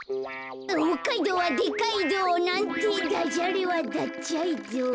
ほっかいどうはでっかいどう。なんてダジャレはダッチャイどう。